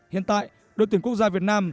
hiện tại đội tuyển quốc gia việt nam